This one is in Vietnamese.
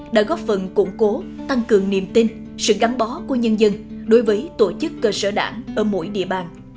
đã góp phần củng cố tăng cường niềm tin sự gắn bó của nhân dân đối với tổ chức cơ sở đảng ở mỗi địa bàn